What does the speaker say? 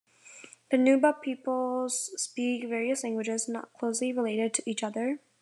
The Nuba peoples speak various languages not closely related to each other.